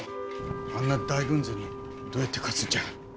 あんな大軍勢にどうやって勝つんじゃ。